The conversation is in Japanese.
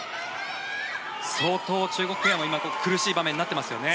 相当、中国ペアも苦しい場面になってますよね。